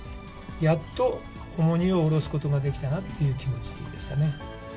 やっと重荷を下ろすことができたなっていう気持ちでしたね。